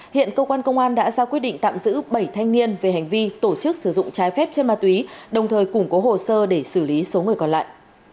hiện cơ quan công an đã ra quyết định tạm giữ bảy thanh niên về hành vi tổ chức sử dụng trái phép chân ma túy đồng thời củng cố hồ sơ để xử lý số người còn lại